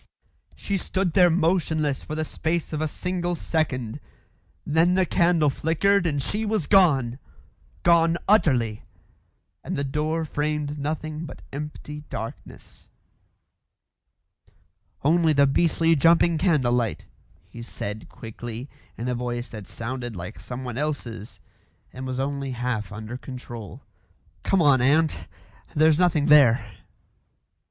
She stood there motionless for the space of a single second. Then the candle flickered and she was gone gone utterly and the door framed nothing but empty darkness. "Only the beastly jumping candle light," he said quickly, in a voice that sounded like someone else's and was only half under control. "Come on, aunt. There's nothing there."